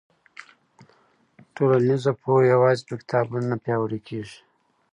ټولنیز پوهه یوازې په کتابونو نه پیاوړې کېږي.